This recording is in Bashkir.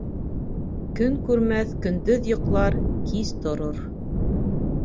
Көн күрмәҫ көндөҙ йоҡлар, кис торор.